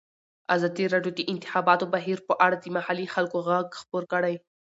ازادي راډیو د د انتخاباتو بهیر په اړه د محلي خلکو غږ خپور کړی.